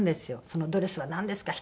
「そのドレスはなんですか！